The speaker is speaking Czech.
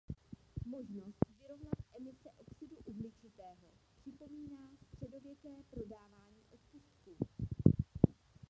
Možnost vyrovnat emise oxidu uhličitého připomíná středověké prodávání odpustků.